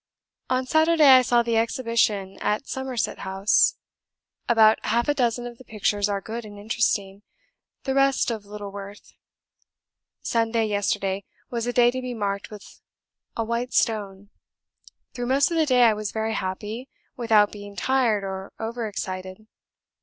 On Saturday I saw the Exhibition at Somerset House; about half a dozen of the pictures are good and interesting, the rest of little worth. Sunday yesterday was a day to be marked with a white stone; through most of the day I was very happy, without being tired or over excited.